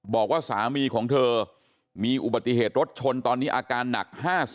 บอกว่าสามีของเธอมีอุบัติเหตุรถชนตอนนี้อาการหนัก๕๐